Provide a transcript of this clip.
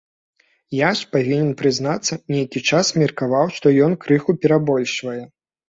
Я ж, павінен прызнацца, нейкі час меркаваў, што ён крыху перабольшвае.